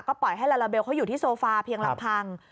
ปล่อยให้ลาลาเบลเขาอยู่ที่โซฟาเพียงลำพัง